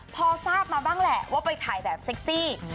พอทราบมาบ้างแหละว่าไปถ่ายแบบเซ็กซี่